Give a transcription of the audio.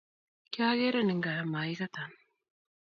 Kiakeren en gaa ako mekatan